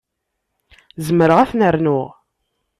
Zemreɣ ad ten-rnuɣ.